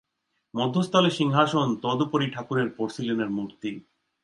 মধ্যস্থলে সিংহাসন, তদুপরি ঠাকুরের পোর্সিলেনের মূর্তি।